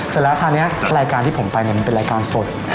เสร็จแล้วคราวนี้รายการที่ผมไปเนี่ยมันเป็นรายการสด